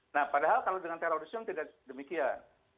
nah padahal kalau dengan terorisme tidak demikian